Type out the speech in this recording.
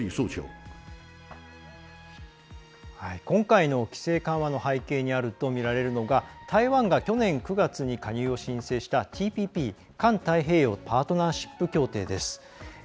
今回の規制緩和の背景にあるとみられるのが台湾が去年９月に加入を申請したＴＰＰ＝環太平洋パートナーシップ協定です。